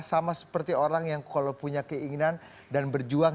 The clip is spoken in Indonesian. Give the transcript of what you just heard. sama seperti orang yang kalau punya keinginan dan berjuang